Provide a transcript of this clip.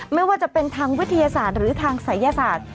ไม่ว่าจะเป็นทางวิทยาศาสตร์หรือทางศัยศาสตร์